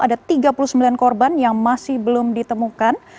ada tiga puluh sembilan korban yang masih belum ditemukan